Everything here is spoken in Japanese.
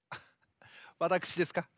わたくしですか？